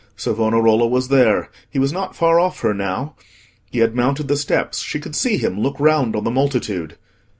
Savonarola was there. He was not far off her now. He had mounted the steps; she could see him look round on the multitude.